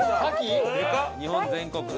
日本全国